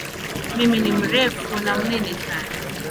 Mimi ni mrefu na mnene sana